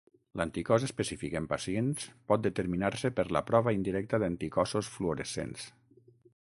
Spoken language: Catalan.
L'anticòs específic en pacients pot determinar-se per la prova indirecta d'anticossos fluorescents.